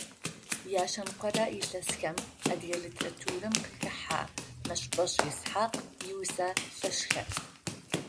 Яшъэныкъорэ илъэсхэм адыгэ литературэм къыхахьэ Мэщбэшӏэ Исхьакъ иусэ лъэшхэр.